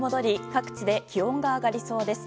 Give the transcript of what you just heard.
各地で気温が上がりそうです。